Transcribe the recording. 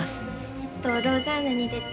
えっとローザンヌに出て。